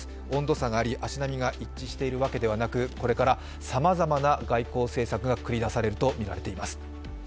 温度差があり足並みが一致しているわけではなくこれからさまざまな外交政策が繰り出されると言われています。